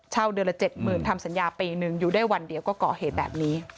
เดือนละ๗๐๐๐ทำสัญญาปีหนึ่งอยู่ได้วันเดียวก็ก่อเหตุแบบนี้